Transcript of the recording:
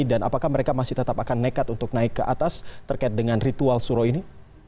dan apakah mereka masih tetap akan nekat untuk naik ke atas terkait dengan ritual suro ini